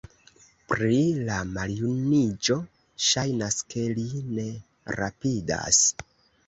Pri la maljuniĝo, ŝajnas, ke li ne rapidas.